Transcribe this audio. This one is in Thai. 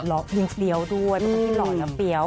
หล่อยิ่งเปรี้ยวด้วยเพราะว่าพี่หล่อยิ่งเปรี้ยว